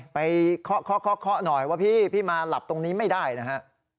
ไปข้อหน่อยว่าพี่มาหลับตรงนี้ไม่ได้นะฮะ